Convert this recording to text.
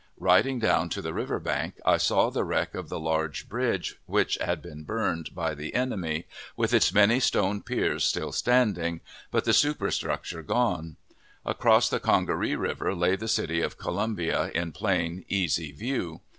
Riding down to the river bank, I saw the wreck of the large bridge which had been burned by the enemy, with its many stone piers still standing, but the superstructure gone. Across the Congaree River lay the city of Columbia, in plain, easy view.